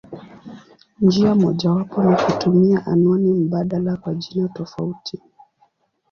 Njia mojawapo ni kutumia anwani mbadala kwa jina tofauti.